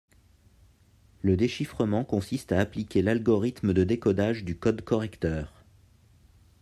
Le déchiffrement consiste à appliquer l'algorithme de décodage du code correcteur.